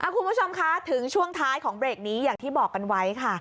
คุณผู้ชมคะถึงช่วงท้ายของเบรกนี้อย่างที่บอกกันไว้ค่ะ